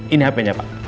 ini hpnya pak